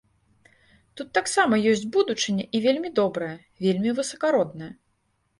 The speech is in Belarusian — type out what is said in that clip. Тут таксама ёсць будучыня і вельмі добрая, вельмі высакародная.